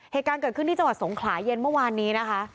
เหตุการณ์เกิดขึ้นที่จังหวัดสงขลาเย็นเมื่อวานนี้นะคะ